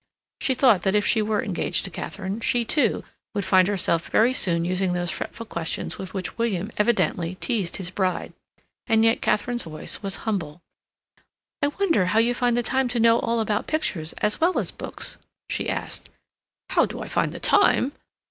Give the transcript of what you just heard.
She thought that if she were engaged to Katharine, she, too, would find herself very soon using those fretful questions with which William evidently teased his bride. And yet Katharine's voice was humble. "I wonder how you find the time to know all about pictures as well as books?" she asked. "How do I find the time?"